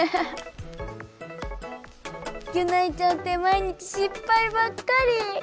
ギュナイちゃんって毎日しっぱいばっかり！